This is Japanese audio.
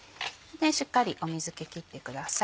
しっかり水気切ってください。